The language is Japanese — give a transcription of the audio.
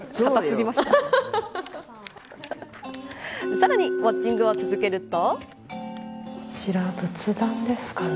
さらにウオッチングを続けると。